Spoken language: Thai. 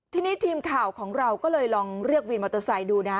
ทีนี้ทีมข่าวของเราก็เลยลองเรียกวินมอเตอร์ไซค์ดูนะฮะ